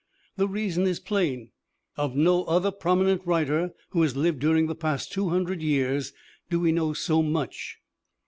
The reason is plain: of no other prominent writer who has lived during the past two hundred years do we know so much.